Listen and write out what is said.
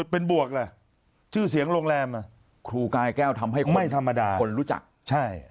เป็นบวกแหละชื่อเสียงโรงแรมครูกายแก้วทำให้คนรู้จักไม่ธรรมดา